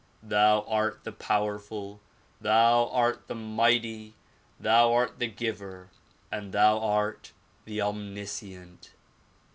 Thou art the powerful! Thou art the mighty! Thou art the giver and thou art the omniscient!